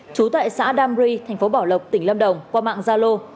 trú tại xã đam ri thành phố bảo lộc tỉnh lâm đồng qua mạng gia lô